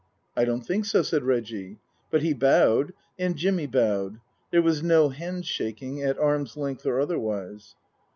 " I don't think so," said Reggie. But he bowed. And Jimmy bowed. There was no handshaking, at arm's length or otherwise.